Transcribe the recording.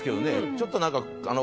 ちょっとなんかあの。